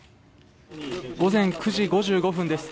午前９時５５分です。